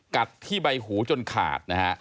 กัดที่ใบหูจนขาดนะฮะ